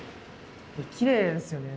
きれいですよね。